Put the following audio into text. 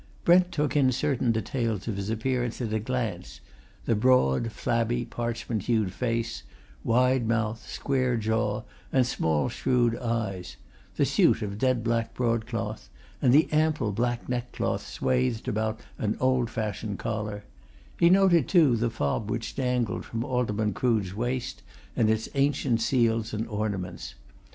Brent took in certain details of his appearance at a glance: the broad, flabby, parchment hued face, wide mouth, square jaw, and small, shrewd eyes; the suit of dead black broadcloth, and the ample black neckcloth swathed about an old fashioned collar; he noted, too, the fob which dangled from Alderman Crood's waist, and its ancient seals and ornaments.